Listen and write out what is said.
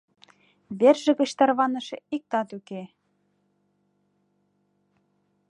Верже гыч тарваныше иктат уке.